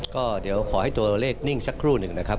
ก็เดี๋ยวขอให้ตัวเลขนิ่งสักครู่หนึ่งนะครับ